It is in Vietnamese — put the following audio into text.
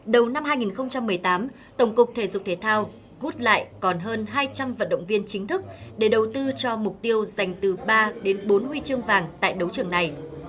đầu năm hai nghìn một mươi tám tổng cục thể dục thể thao gút lại còn hơn hai trăm linh vận động viên chính thức để đầu tư cho mục tiêu dành từ ba đến bốn huy chương vàng tại đấu trường này